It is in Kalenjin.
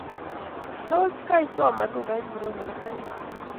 Tos keisoman lugait ingro nebo toek?